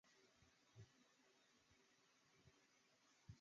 通因在拉玛二世在位末期被任命为那空叻差是玛的总督。